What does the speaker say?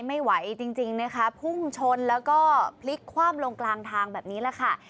ไม่ไหวจริงจริงนะคะพุ่งชนแล้วก็พลิกคว่ำลงกลางทางแบบนี้แหละค่ะ